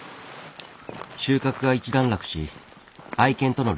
収穫が一段落し愛犬との旅行だそう。